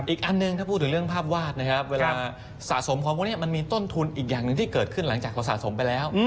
อีกอันหนึ่งถ้าพูดถึงเรื่องภาพวาดนะครับเวลาสะสมของพวกนี้มันมีต้นทุนอีกอย่างหนึ่งที่เกิดขึ้นหลังจากเราสะสมไปแล้ว